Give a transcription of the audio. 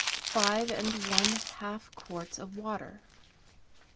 — Five and one half quarts of water.